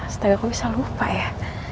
setengah bisa lupa ya